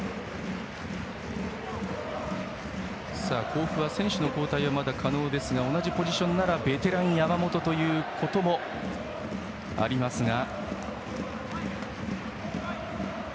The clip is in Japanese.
甲府は選手の交代はまだ可能ですが同じポジションならベテラン山本ということもありますが。